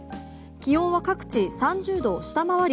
気温は各地３０度を下回り